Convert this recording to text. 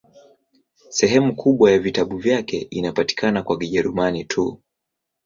Sehemu kubwa ya vitabu vyake inapatikana kwa Kijerumani tu.